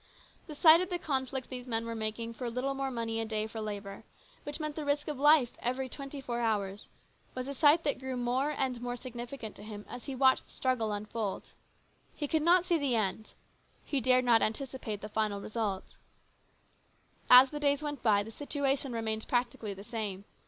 The sight of the conflict these men were making for a little more money a day for labour, which meant the risk of life every twenty four hours, was a sight that grew more and more 160 HIS BROTHER'S KEEPER. significant to him as he watched the struggle unfold. He could not see the end. He dared not anticipate the final result As the days went by, the situation remained practically the same.